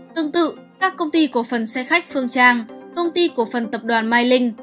tương tự các công ty của phần xe khách phương trang công ty của phần tập đoàn mai linh